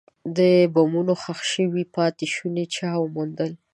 د بمونو ښخ شوي پاتې شوني چا وموندل.